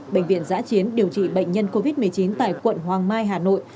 bệnh viện giã chiến điều trị bệnh nhân covid một mươi chín tại quận hoàng mai hà nội